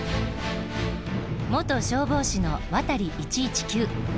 元消防士のワタリ１１９。